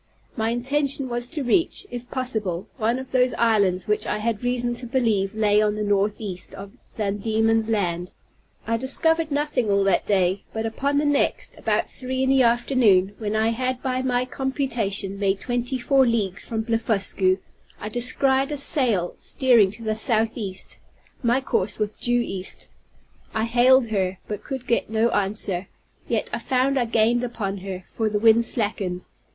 My intention was to reach, if possible, one of those islands which I had reason to believe lay on the northeast of Van Diemen's Land. I discovered nothing all that day; but upon the next, about three in the afternoon, when I had by my computation made twenty four leagues from Blefuscu, I descried a sail steering to the southeast; my course was due east. I hailed her, but could get no answer; yet I found I gained upon her, for the wind slackened.